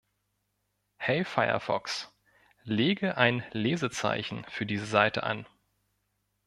Hey Firefox, lege ein Lesezeichen für diese Seite an.